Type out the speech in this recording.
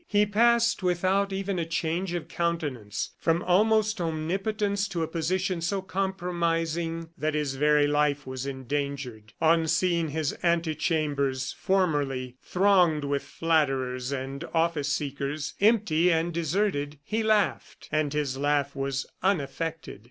He passed, without even a change of countenance, from almost omnipotence to a position so compromising that his very life was endangered. On seeing his ante chambers, formerly thronged with flatterers and office seekers, empty and deserted, he laughed, and his laugh was unaffected.